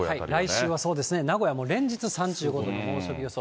来週はそうですね、名古屋も連日３５度の猛暑日予想。